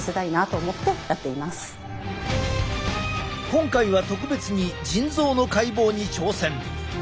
今回は特別に腎臓の解剖に挑戦。